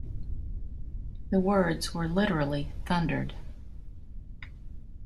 The words were literally thundered.